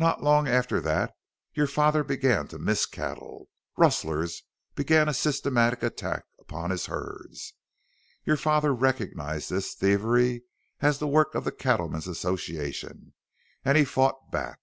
Not long after that your father began to miss cattle rustlers began a systematic attack upon his herds. Your father recognized this thievery as the work of the Cattlemen's Association and he fought back.